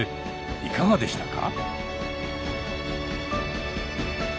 いかがでしたか？